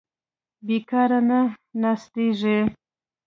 بېکاره نه ناستېږي.